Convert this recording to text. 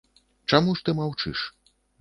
Чаму ж ты маўчыш?